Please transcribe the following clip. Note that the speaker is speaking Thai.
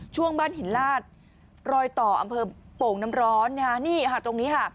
ช่วงบ้านหินลาดรอยต่ออำเภอโป่งน้ำร้อนนี่ค่ะตรงนี้ค่ะ